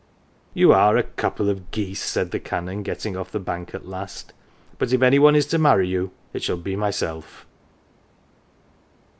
" You are a couple of geese,"" said the Canon, getting off the bank at last ;" but if any one is to marry you, it shall be myself.